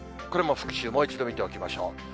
これも復習、もう一度見ておきましょう。